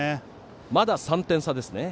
まだ３点差ですね。